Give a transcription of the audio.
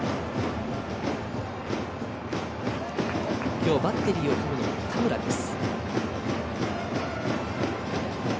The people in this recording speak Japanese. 今日バッテリーを組むのは田村です。